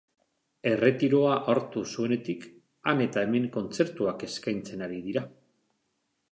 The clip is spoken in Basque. Erretiroa hartu zuenetik han eta hemen kontzertuak eskaintzen ari dira.